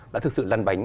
đã thực sự lăn bánh